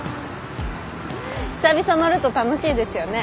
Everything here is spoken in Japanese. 久々乗ると楽しいですよね。